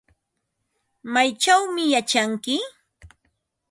¿Maychawmi yachanki?